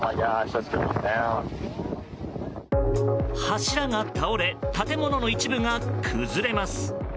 柱が倒れ建物の一部が崩れます。